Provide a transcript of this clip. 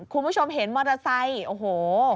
คุณผู้ชมเห็นมอเตอร์ไซค์โอ้โห